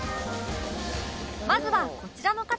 まずはこちらの方